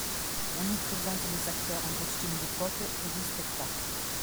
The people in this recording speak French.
On y présente des acteurs en costumes d'époque et des spectacles.